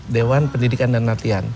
dewan pendidikan dan latihan